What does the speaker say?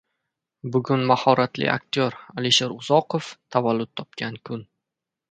Bugun mahoratli aktyor Alisher Uzoqov tavallud topgan kun